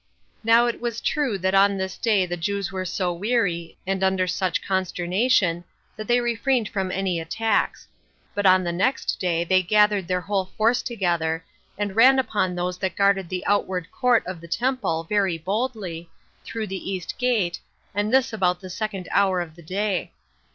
Now it is true that on this day the Jews were so weary, and under such consternation, that they refrained from any attacks. But on the next day they gathered their whole force together, and ran upon those that guarded the outward court of the temple very boldly, through the east gate, and this about the second hour of the day.